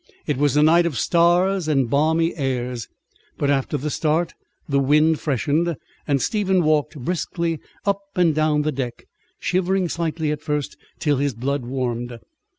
It was a night of stars and balmy airs; but after the start the wind freshened, and Stephen walked briskly up and down the deck, shivering slightly at first, till his blood warmed.